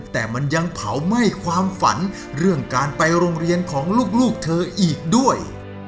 แต่มันยังเผาไหม้ความฝันเรื่องการไปโรงเรียนของลูกเธออีกด้วย